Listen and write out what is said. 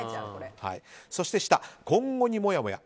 そして今後にもやもや。